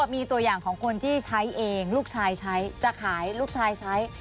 มีตัวอย่างของคนที่ใช้เองลูกชายใช้จะขายลูกชายใช้